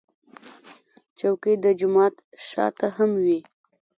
چوکۍ د جومات شا ته هم وي.